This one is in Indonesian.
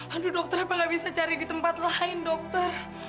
aduh dokter apa nggak bisa cari di tempat lain dokter